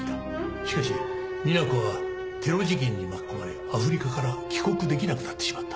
しかしみな子はテロ事件に巻き込まれアフリカから帰国できなくなってしまった。